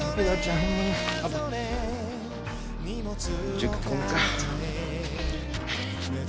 熟婚か。